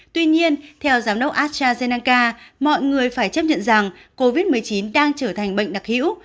tuy nhiên theo giám đốc astrazeneca mọi người phải chấp nhận rằng covid một mươi chín đang trở thành bệnh đặc hữu